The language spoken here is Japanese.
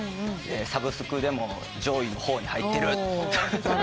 サブスクでも上位の方に入ってる。